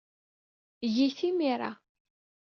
Eg-it imir-a.